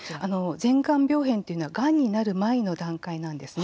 前がん病変というのはがんになる前の段階なんです。